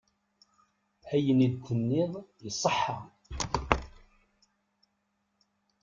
Ayen i d-tenniḍ iṣeḥḥa.